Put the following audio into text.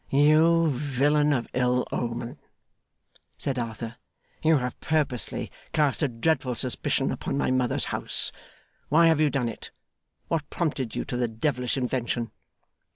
'You villain of ill omen!' said Arthur. 'You have purposely cast a dreadful suspicion upon my mother's house. Why have you done it? What prompted you to the devilish invention?